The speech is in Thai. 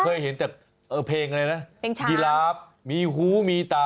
เกิดมายังไม่เคยฟังเพลงยีราบปะก่อนเลย